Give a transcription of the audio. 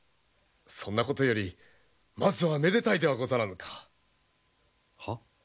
そんなことよりまずはめでたいではござらぬか。は？